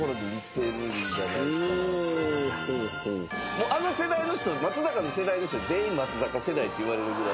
もうあの世代の人松坂の世代の人全員松坂世代って言われるぐらい。